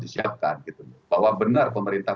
disiapkan bahwa benar pemerintah